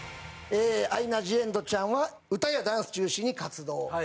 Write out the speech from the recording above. アイナ・ジ・エンドちゃんは歌やダンス中心に活動。